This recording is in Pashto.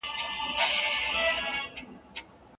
هر چا ته رسیږي.